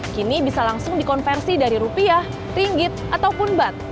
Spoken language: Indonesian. kini bisa langsung dikonversi dari rupiah ringgit ataupun bat